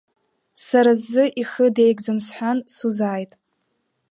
Сара сзы ихы деигӡом сҳәан, сузааит.